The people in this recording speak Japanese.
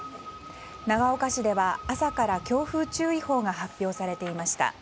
長岡市では、朝から強風注意報が発表されていました。